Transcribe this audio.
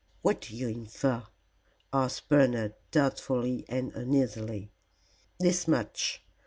"What do you infer?" asked Bernard, doubtfully and uneasily. "This much.